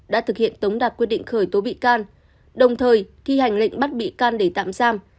đã thực hiện tống đạt quyết định khởi tố bị can đồng thời thi hành lệnh bắt bị can để tạm giam